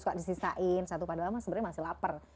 suka disisain satu pada lama sebenernya masih lapar